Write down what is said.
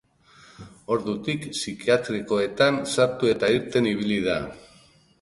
Ordutik, psikiatrikoetan sartu eta irten ibili da.